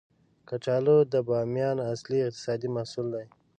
کچالو د بامیان اصلي اقتصادي محصول دی